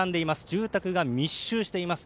住宅が密集しています。